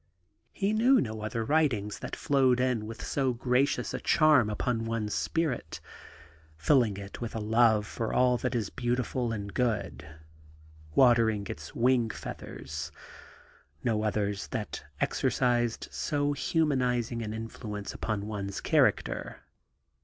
He knew no other writings that flowed in with so 60 THE GARDEN GOD gracious a chann upon one's spirit, filling it with a love for all that is beautiful and good, watering its ' wing feathers ': no others that exercised so humanis ing an influence upon one's character.